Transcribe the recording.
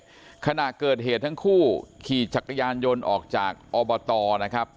ขณะเกิดเหตุทั้งคู่ขี่จักรยานยนต์ออกจากอบตนะครับ